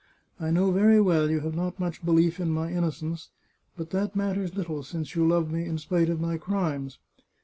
I know very well you have not much belief in my innocence, but that mat ters little, since you love me in spite of my crimes.